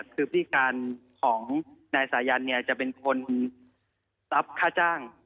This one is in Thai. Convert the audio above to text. คือพิการของนายสายันจะเป็นคนรับค่าจ้าง